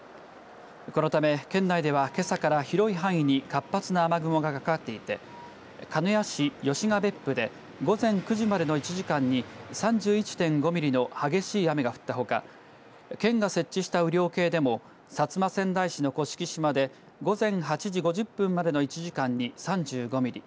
このため、県内ではけさから広い範囲に活発な雨雲がかかっていて鹿屋市吉ケ別府で午前９時までの１時間に３１．５ミリの激しい雨が降ったほか県が設置した雨量計でも薩摩川内市の甑島で午前８時５０分までの１時間に３５ミリ